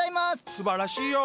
すばらしいよ。